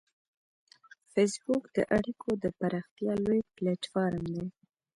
فېسبوک د اړیکو د پراختیا لوی پلیټ فارم دی